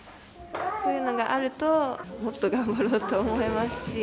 そういうのがあると、もっと頑張ろうと思いますし。